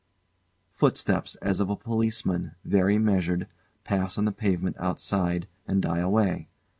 ] [Footsteps as of a policeman, very measured, pass on the pavement outside, and die away.